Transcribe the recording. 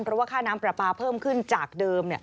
เพราะว่าค่าน้ำปลาปลาเพิ่มขึ้นจากเดิม